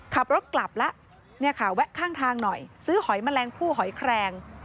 ขับรถกลับละแวะข้างทางหน่อยซื้อหอยมะแรงผู้หอยแครง